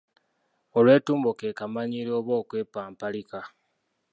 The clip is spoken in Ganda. Olwetumbo ke kamanyiiro oba okwepampalika.